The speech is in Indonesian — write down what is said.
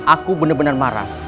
aku benar benar marah